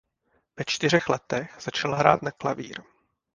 Ve čtyřech letech začal hrát na klavír.